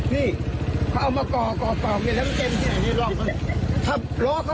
นี่เขาเอามาก่อก่อก่อกในทั้งเจนที่ไหนนี่ลองกัน